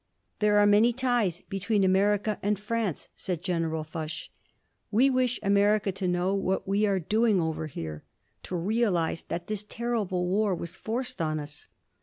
"There are many ties between America and France," said General Foch. "We wish America to know what we are doing over here, to realise that this terrible war was forced on us."